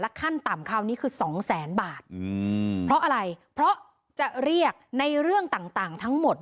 ขั้นต่ำคราวนี้คือสองแสนบาทเพราะอะไรเพราะจะเรียกในเรื่องต่างทั้งหมด